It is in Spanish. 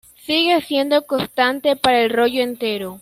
Sigue siendo constante para el rollo entero.